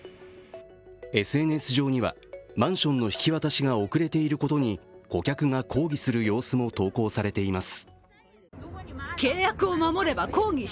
ＳＮＳ上には、マンションの引き渡しが遅れていることに顧客が抗議する様子も投稿されています。